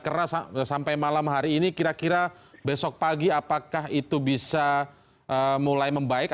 keras sampai malam hari ini kira kira besok pagi apakah itu bisa mulai membaik